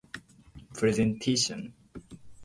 プレゼンテーション